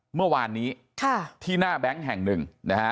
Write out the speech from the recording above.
เมื่อวานนี้ที่หน้าแบงค์แห่งหนึ่งนะฮะ